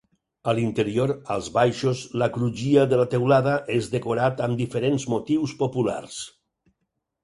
A l'interior, als baixos la crugia de la teulada és decorat amb diferents motius populars.